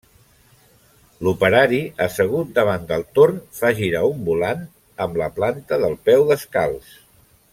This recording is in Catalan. L'operari, assegut davant del torn fa girar un volant amb la planta del peu descalç.